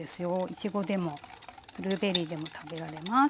いちごでもブルーベリーでも食べられます。